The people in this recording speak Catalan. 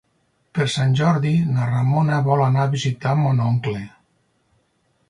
Per Sant Jordi na Ramona vol anar a visitar mon oncle.